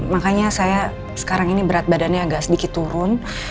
makanya saya sekarang ini berat badannya agak sedikit turun